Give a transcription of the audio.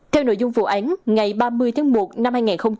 theo nội dung vụ án ngày ba mươi tháng một năm hai nghìn hai mươi